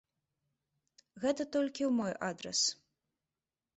Гэта толькі ў мой адрас.